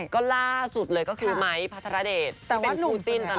ก็ล่าสุดเลยก็คือไมค์พัฒนาเดชที่เป็นผู้ติ้นตอนนั้นนะ